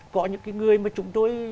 có những cái người mà chúng tôi